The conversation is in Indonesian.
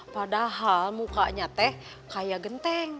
padahal mukanya teh kayak genteng